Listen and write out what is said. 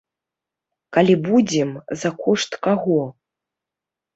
Калі будзем, за кошт каго.